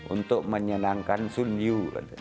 untuk menyenangkan sun yu